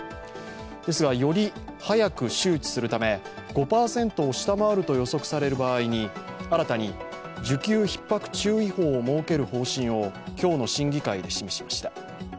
ですが、より早く周知するため、５％を下回ると予測される場合に新たに需給ひっ迫注意報を設ける方針を今日の審議会で示しました。